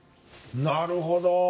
なるほど。